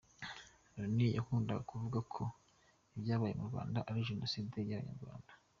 Loni yakundaga kuvuga ko ibyabaye mu Rwanda ari ‘Jenoside y’Abanyarwanda’.